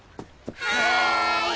はい。